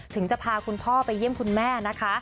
ถึงจะพาคุณพ่อไปเยี่ยมคุณแม่นะคะ